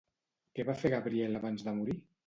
Què va fer Gabriel abans de morir?